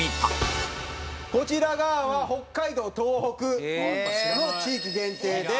こちら側は北海道・東北の地域限定で。